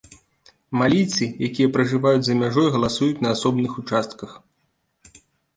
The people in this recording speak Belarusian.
Малійцы, якія пражываюць за мяжой галасуюць на асобных участках.